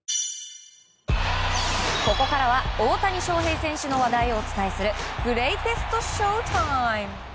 ここからは大谷翔平選手の話題をお伝えするグレイテストＳＨＯ‐ＴＩＭＥ。